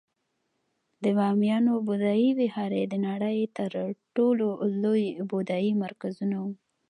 د بامیانو بودایي ویهارې د نړۍ تر ټولو لوی بودایي مرکزونه وو